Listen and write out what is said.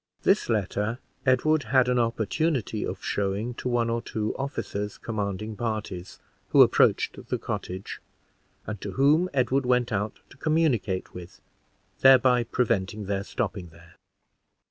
This letter Edward had an opportunity of showing to one or two officers, commanding parties, who approached the cottage, and to whom Edward went out to communicate with, thereby preventing their stopping there.